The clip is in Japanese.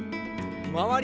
周り